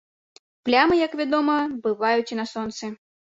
Плямы, як вядома, бываюць і на сонцы.